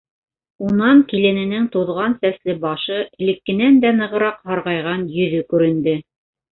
Унан килененең туҙған сәсле башы, элеккенән дә нығыраҡ һарғайған йөҙө күренде: